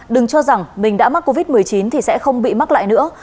đừng cho rằng mình đã mắc covid một mươi chín thì sẽ không bị mắc lại nữa